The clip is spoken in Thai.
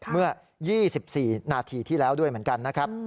เมื่อ๒๔นาทีที่แล้วด้วยเหมือนกันนะครับ